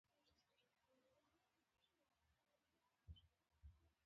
د چرګ جنګول منع دي